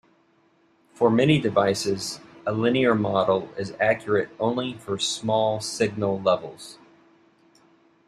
For many devices, a linear model is accurate only for small signal levels.